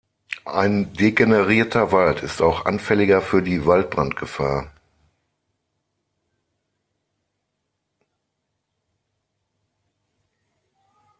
Ein degenerierter Wald ist auch anfälliger für die Waldbrandgefahr.